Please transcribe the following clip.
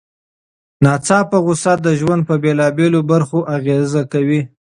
ناڅاپه غوسه د ژوند په بېلابېلو برخو اغېز کوي.